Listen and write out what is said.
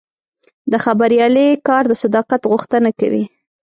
د خبریالۍ کار د صداقت غوښتنه کوي.